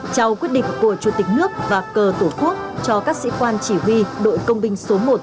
trao quyết định của chủ tịch nước và cờ tổ quốc cho các sĩ quan chỉ huy đội công binh số một